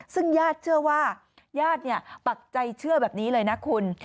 ซึ่งญาติเชื่อว่าญาติปักใจเชื่อแบบนี้เลยนะคุณ